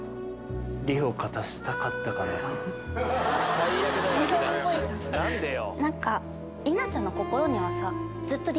最悪だよ何でよ？